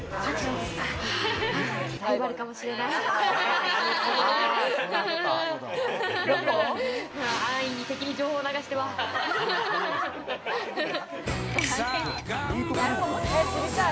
ライバルかもしれない。